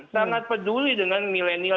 sangat peduli dengan milenial